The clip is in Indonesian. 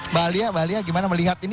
mbak alia gimana melihat ini